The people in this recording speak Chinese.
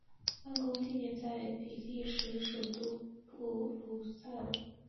办公地点在比利时首都布鲁塞尔。